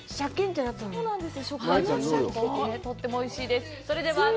とってもおいしいです。